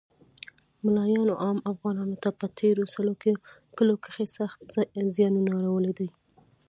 مولایانو عام افغانانو ته په تیرو سلو کلو کښی سخت ځیانونه اړولی دی